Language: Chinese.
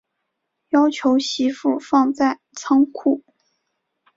要求媳妇放在仓库